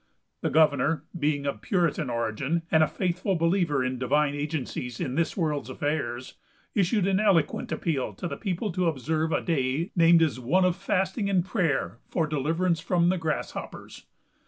The governor, being of Puritan origin, and a faithful believer in Divine agencies in this world's affairs, issued an eloquent appeal to the people to observe a day named as one of fasting and prayer for deliverance from the grasshoppers.